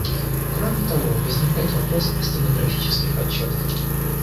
Кроме того, возникает вопрос о стенографических отчетах.